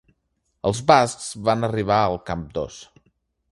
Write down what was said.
Els bascs van arribar al camp dos.